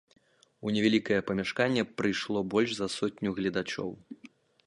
У невялікае памяшканне прыйшло больш за сотню гледачоў.